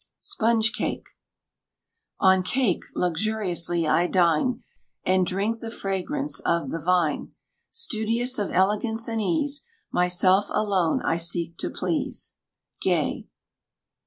SPONGE CAKE. On cake luxuriously I dine, And drink the fragrance of the vine, Studious of elegance and ease, Myself alone I seek to please. GAY.